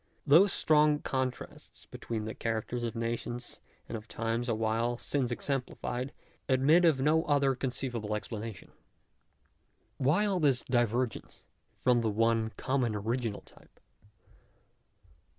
Those strong contrasts between the cha racters of nations and of times awhile since exemplified (p. 34) admit of no other conceivable explanation. Why all this divergence from the one common original type